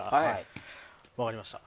分かりました。